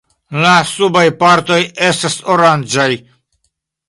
La subaj partoj estas oranĝaj.